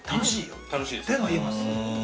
◆っていうのは言えます。